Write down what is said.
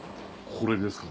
これですか。